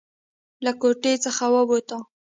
له کوټې څخه ووتو.